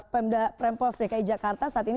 pmd pmp of dki jakarta saat ini